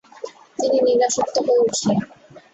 তিনি নিরাসক্ত হয়ে উঠলেন।